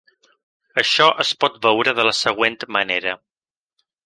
Això es pot veure de la següent manera.